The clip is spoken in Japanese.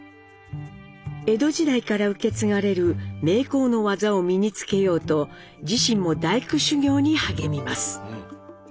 江戸時代から受け継がれる名工の技を身に付けようと自身も大工修業に励みます。